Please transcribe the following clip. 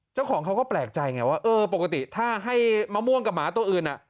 เจ้าของเขาก็แปลกใจไงว่าเออปกติถ้าให้มะม่วงกับหมาตัวอื่น